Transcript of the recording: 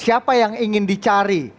siapa yang ingin dicari